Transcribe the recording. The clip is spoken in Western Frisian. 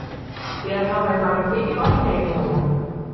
Dêr hawwe wy mar in pear fan yn Nederlân.